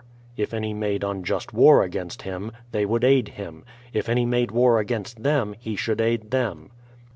If any made unjust war against him, they would aid him; if any made war against them, he should aid them.